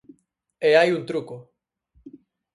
E hai un truco.